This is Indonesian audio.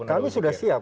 kami sudah siap